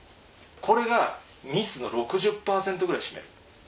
これがミスの６０％ぐらいを占める。